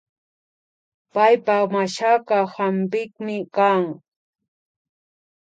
Paypak mashaka hampikmi kan